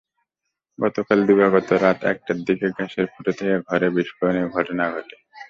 গতকাল দিবাগত রাত একটার দিকে গ্যাসের ফুটো থেকে ঘরে বিস্ফোরণের ঘটনা ঘটে।